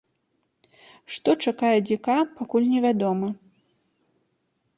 Што чакае дзіка, пакуль не вядома.